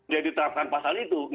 dia diterapkan pasal itu